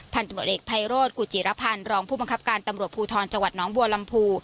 ตำรวจเอกภัยโรธกุจิรพันธ์รองผู้บังคับการตำรวจภูทรจังหวัดน้องบัวลำพู